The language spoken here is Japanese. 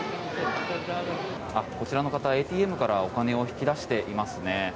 こちらの方、ＡＴＭからお金を引き出していますね。